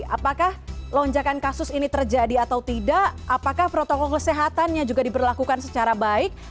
apakah lonjakan kasus ini terjadi atau tidak apakah protokol kesehatannya juga diberlakukan secara baik